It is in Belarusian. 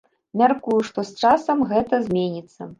Мяркую, што з часам гэта зменіцца.